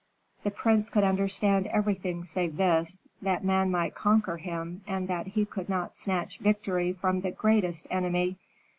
The prince could understand everything save this, that man might conquer him and that he could not snatch victory from the greatest enemy.